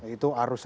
itu arusnya kena